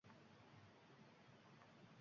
Zulmat ichra muhabbat